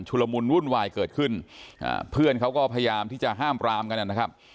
ละมุนวุ่นวายเกิดขึ้นอ่าเพื่อนเขาก็พยายามที่จะห้ามปรามกันนะครับ